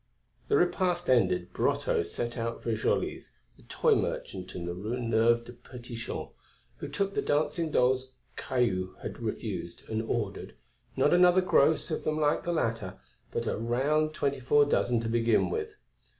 The repast ended, Brotteaux set out for Joly's, the toy merchant in the Rue Neuve des Petits Champs, who took the dancing dolls Caillou had refused, and ordered not another gross of them like the latter, but a round twenty four dozen to begin with.